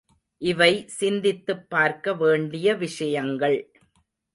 இவை சிந்தித்துப் பார்க்க வேண்டிய விஷயங்கள்.